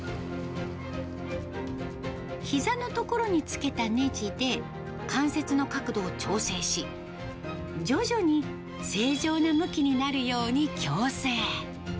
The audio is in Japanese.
ひざの所につけたねじで、関節の角度を調整し、徐々に正常な向きになるように矯正。